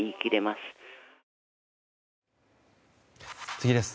次です。